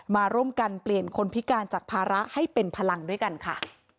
มาร่วมกันเปลี่ยนคนพิการจากภาระให้เป็นพลังด้วยกันค่ะ